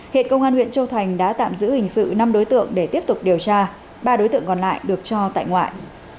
hiện công an huyện châu thành đã tạm giữ hình sự năm đối tượng để tiếp tục điều tra ba đối tượng còn lại được cho tại ngoại